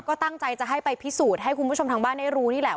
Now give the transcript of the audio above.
ก็ตั้งใจจะให้ไปพิสูจน์ให้คุณผู้ชมทางบ้านได้รู้นี่แหละ